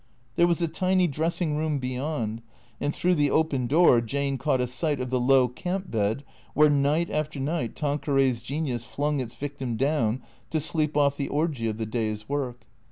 There was a tiny dressing room beyond, and through the open door Jane cauglit a sight of the low camp bed where, night after night, Tanqucray's genius flung its victim down to sleep off the orgy of the day's work.